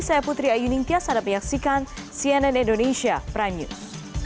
saya putri ayu ningtyas anda menyaksikan cnn indonesia prime news